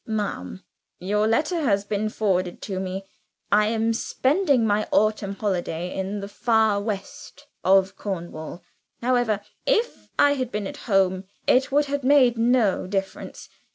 "MADAM Your letter has been forwarded to me. I am spending my autumn holiday in the far West of Cornwall. However, if I had been at home, it would have made no difference.